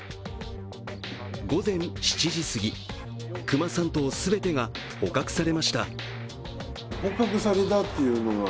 午前７時過ぎ、熊３頭全てが捕獲されました。